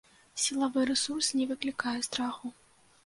Сілавы рэсурс не выклікае страху.